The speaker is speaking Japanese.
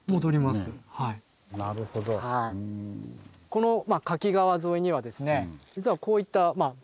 この柿川沿いにはですね実はこういった場所